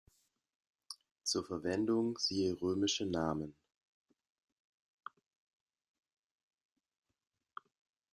Zur Verwendung siehe Römische Namen.